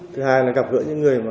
thứ hai là gặp gỡ những người